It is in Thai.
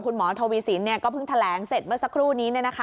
คุณหมอทวีสินก็เพิ่งแถลงเสร็จเมื่อสักครู่นี้